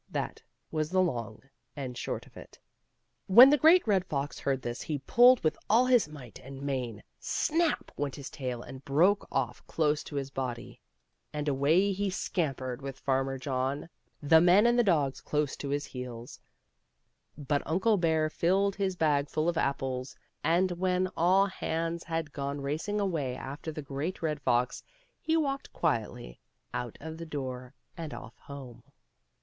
That was the long and the short of it. When the Great Red Fox heard this, he pulled with all his might and main. Snap! went his tail and broke off close to his body, and away he 290 HOW TWO WENT INTO PARTNERSHIP. scampered with Farmer John the men and the dogs close to his heels. But Uncle Bear filled his bag full of apples, and when all hands had gone racing away after the Great Red Fox, he walked quietly out of the door and off home.